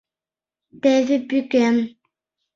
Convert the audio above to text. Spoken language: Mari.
Теве пӱкен.